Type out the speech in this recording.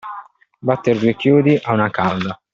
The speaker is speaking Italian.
Battere due chiodi a una calda.